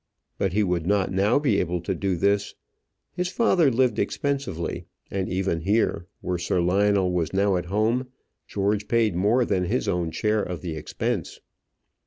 But he would not now be able to do this: his father lived expensively; and even here, where Sir Lionel was now at home, George paid more than his own share of the expense.